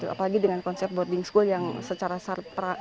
apalagi dengan konser boarding school yang secara secara secara secara maksimal